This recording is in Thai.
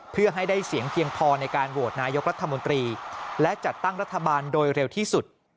เพื่อให้ได้เสียงเพียงพอในการโหวตนายกรัฐมนตรีและจัดตั้งรัฐบาลโดยเร็วที่สุด